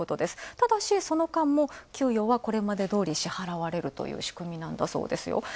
ただし、その間も給与はこれまでどおり支払われるという仕組みなんだそうですよ。